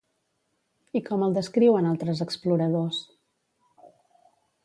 I com el descriuen altres exploradors?